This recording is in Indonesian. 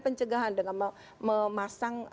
pencegahan dengan memasang